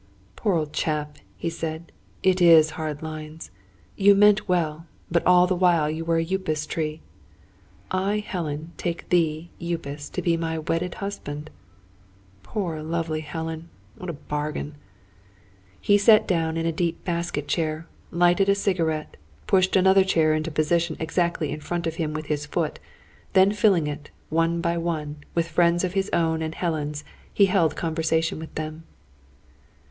"Poor old chap," he said. "It is hard lines! You meant well; but all the while you were a Upas tree. 'I, Helen, take thee, Upas, to be my wedded husband.' Poor lovely Helen! What a bargain!" He sat down in a deep basket chair, lighted a cigarette, pushed another chair into position, exactly in front of him, with his foot; then filling it, one by one, with friends of his own and Helen's, held conversation with them.